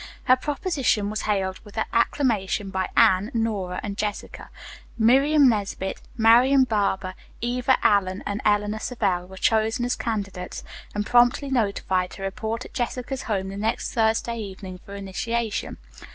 Her proposition was hailed with acclamation by Anne, Nora and Jessica. Miriam Nesbit, Marian Barber, Eva Allen and Eleanor Savell were chosen as candidates and promptly notified to report at Jessica's home the next Thursday evening for initiation.